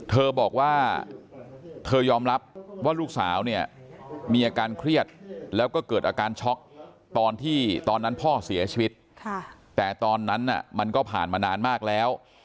เธอบอกว่าเธอยอมรับว่าลูกสาวเนี่ยมีอาการเครียดแล้วก็เกิดอาการช็อกตอนที่ตอนนั้นพ่อเสียชีวิตแต่ตอนนั้นมันก็ผ่านมานานมากแล้ว